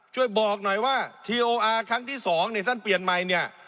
ช่วยบอกหน่อยว่าทีโออาร์ครั้งที่สองเนี่ยท่านเปลี่ยนใหม่เนี่ย